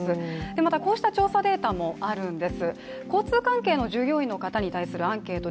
また、こうした調査データもあるんです。